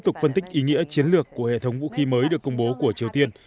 tục phân tích ý nghĩa chiến lược của hệ thống vũ khí mới được công bố của triều tiên